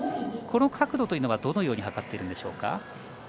この角度というのはどう測っているんでしょうか？